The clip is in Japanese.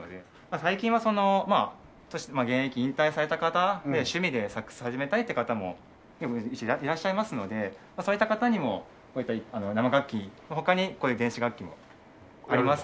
最近はその現役引退された方で趣味でサックス始めたいって方もいらっしゃいますのでそういった方にもこういった生楽器の他にこういう電子楽器もありますので。